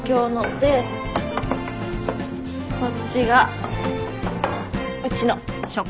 でこっちがうちの。